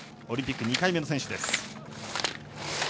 オリンピック２回目の選手です。